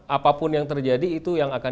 apapun yang terjadi itu yang akan